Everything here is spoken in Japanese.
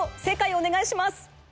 正解をおねがいします！